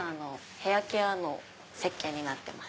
ヘアケアのせっけんになってます。